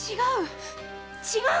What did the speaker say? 違う！